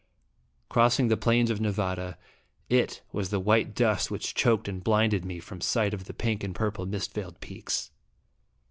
Crossing the plains of Nevada, It was the white dust which choked and blinded me from sight of the pink and purple mist veiled peaks.